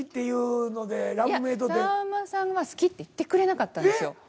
いやさんまさんは好きって言ってくれなかったんですよ。